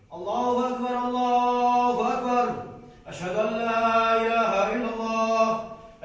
allah akbar allah akbar allah akbar